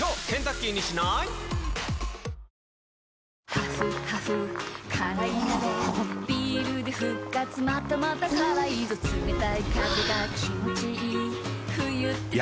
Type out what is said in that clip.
ハフハフ辛い鍋ビールで復活またまた辛いぞ冷たい風が気持ちいい冬って最高だ